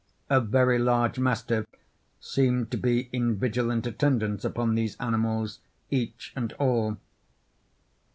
A very large mastiff seemed to be in vigilant attendance upon these animals, each and all.